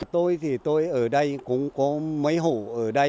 tôi thì tôi ở đây cũng có mấy hủ ở đây